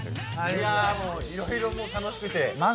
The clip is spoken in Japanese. いろいろ楽しくて。